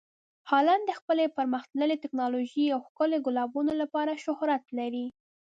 هالنډ د خپلې پرمخ تللې ټکنالوژۍ او ښکلي ګلابونو لپاره شهرت لري.